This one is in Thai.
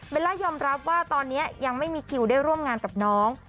ล่ายอมรับว่าตอนนี้ยังไม่มีคิวได้ร่วมงานกับน้อง